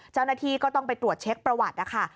เจ้าหน้าที่ก็ต้องไปตรวจเช็คประวัตินะคะ